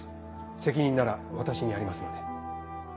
責任なら私にありますので。